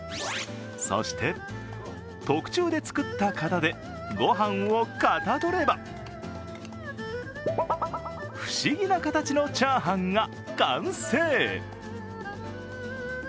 そして、特注で作った型でごはんをかたどれば、不思議な形のチャーハンが完成。